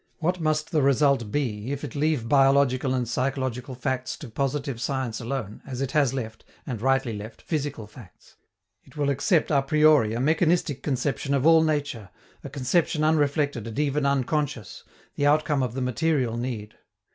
What must the result be, if it leave biological and psychological facts to positive science alone, as it has left, and rightly left, physical facts? It will accept a priori a mechanistic conception of all nature, a conception unreflected and even unconscious, the outcome of the material need.